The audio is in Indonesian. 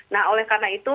nah oleh karena itu